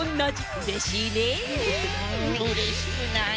うんうれしくない。